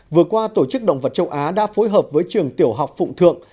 vừa qua tổ chức động vật châu á đã phối hợp với trường tiểu học phụng thượng